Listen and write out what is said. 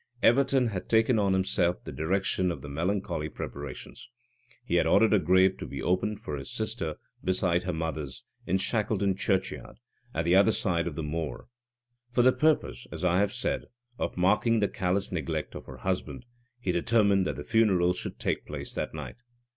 Everton had taken on himself the direction of the melancholy preparations. He had ordered a grave to be opened for his sister beside her mother's, in Shackleton churchyard, at the other side of the moor. For the purpose, as I have said, of marking the callous neglect of her husband, he determined that the funeral should take place that night.